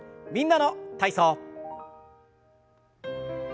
「みんなの体操」。